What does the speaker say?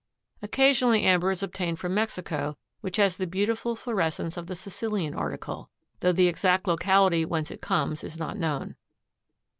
Occasionally amber is obtained from Mexico which has the beautiful fluorescence of the Sicilian article, though the exact locality whence it comes is not known.